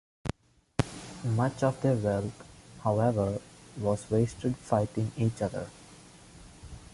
Much of their wealth, however, was wasted fighting each other.